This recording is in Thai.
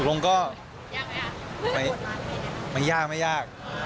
บกลงก็สมมติจะไม่ยากอยู่นี่แล้ว